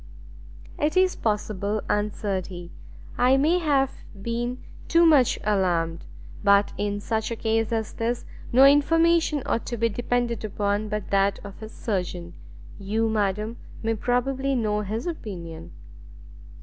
"It is possible," answered he, "I may have been too much alarmed; but in such a case as this, no information ought to be depended upon but that of his surgeon. You, madam, may probably know his opinion?"